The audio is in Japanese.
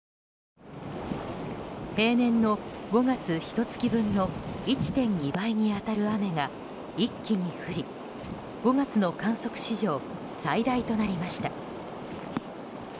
平年の５月ひと月分の１．２倍に当たる雨が一気に降り５月の観測史上最大となりました。